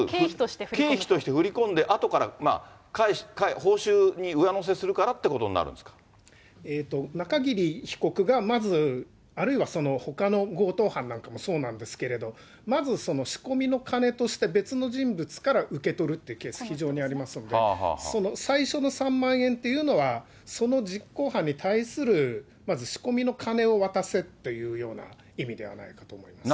経費として振り込んで、後から報酬に上乗せするからっていう中桐被告がまず、あるいはほかの強盗犯なんかもそうなんですけれども、まず仕込みの金として別の人物から受け取るってケース非常にありますんで、最初の３万円っていうのは、その実行犯に対する、まず仕込みの金を渡せっていう意味ではないかと思いますね。